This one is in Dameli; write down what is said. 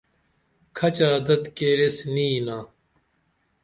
کھچہ ادت کیر یس نی یینا